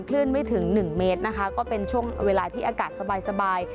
ขึ้นไม่ถึง๑เมตรนะคะก็เป็นช่วงเวลาที่อากาศสบาย